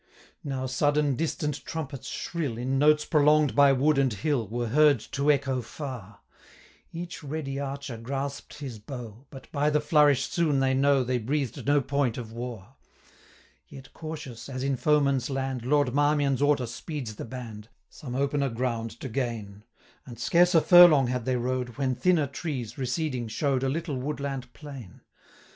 Now sudden, distant trumpets shrill, In notes prolong'd by wood and hill, 95 Were heard to echo far; Each ready archer grasp'd his bow, But by the flourish soon they know, They breathed no point of war. Yet cautious, as in foeman's land, 100 Lord Marmion's order speeds the band, Some opener ground to gain; And scarce a furlong had they rode, When thinner trees, receding, show'd A little woodland plain.